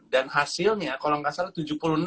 dan hasilnya kalo gak salah